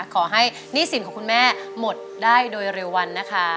หนี้สินของคุณแม่หมดได้โดยเร็ววันนะคะ